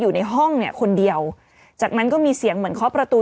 อยู่ในห้องเนี่ยคนเดียวจากนั้นก็มีเสียงเหมือนเคาะประตู